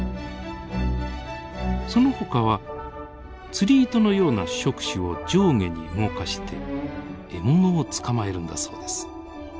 そのほかは釣り糸のような触手を上下に動かして獲物を捕まえるんだそうです。